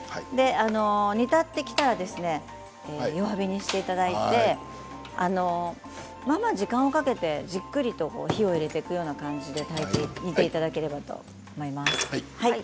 煮立ってきたら弱火にしていただいてまあまあ時間をかけてじっくりと火を入れていくような感じです。